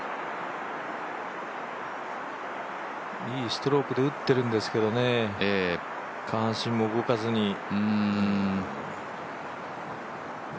いいストロークで打ってるんですけどね下半身も動かずに。